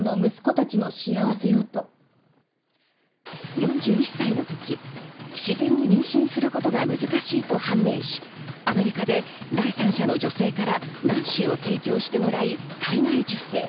４１歳のとき、自然に妊娠することが難しいと判明し、アメリカで第３者の女性から卵子を提供してもらい、体外受精。